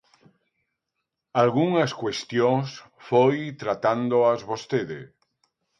Algunhas cuestións foi tratándoas vostede.